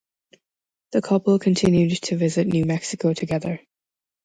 The couple continued to visit New Mexico together.